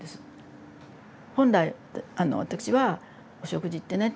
本来あの私はお食事ってね